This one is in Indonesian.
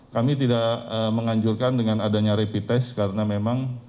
kami tidak menganjurkan dengan adanya rapid test karena memang